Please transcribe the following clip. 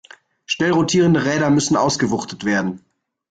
Schnell rotierende Räder müssen ausgewuchtet werden.